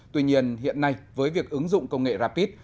tuy nhiên hiện nay với việc ứng dụng công nghệ rapid